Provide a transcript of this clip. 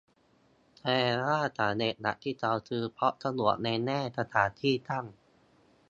แสดงว่าสาเหตุหลักที่เขาซื้อเพราะสะดวกในแง่สถานที่ตั้ง